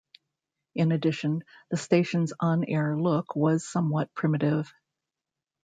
In addition, the station's on-air look was somewhat primitive.